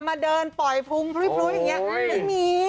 มาเดินปล่อยพุงพลุอย่างนี้ไม่มี